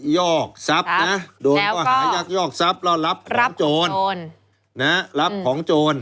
ยอกทรัพย์นะโดนก็หายักยอกทรัพย์แล้วรับโจรรับของโจร